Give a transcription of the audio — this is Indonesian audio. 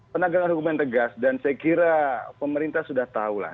penegakan hukum yang tegas dan saya kira pemerintah sudah tahu lah